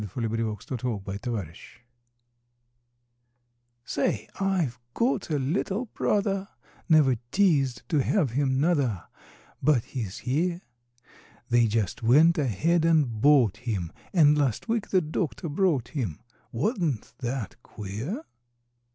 HIS NEW BROTHER Say, I've got a little brother, Never teased to have him, nuther, But he's here; They just went ahead and bought him, And, last week the doctor brought him, Wa'n't that queer?